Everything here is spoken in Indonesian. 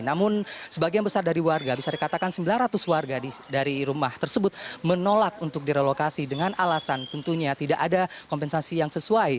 namun sebagian besar dari warga bisa dikatakan sembilan ratus warga dari rumah tersebut menolak untuk direlokasi dengan alasan tentunya tidak ada kompensasi yang sesuai